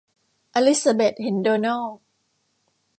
อลิสซาเบธเห็นโดนัล